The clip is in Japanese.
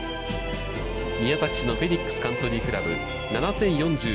宮崎市のフェニックスカントリークラブ。